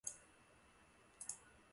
《双城记》是狄更斯的一部小说。